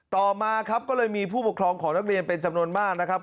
ต่อมาครับก็เลยมีผู้ปกครองของนักเรียนเป็นจำนวนมากนะครับ